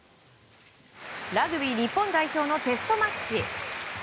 ラグビー日本代表のテストマッチ。